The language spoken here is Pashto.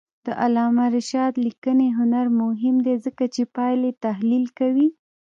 د علامه رشاد لیکنی هنر مهم دی ځکه چې پایلې تحلیل کوي.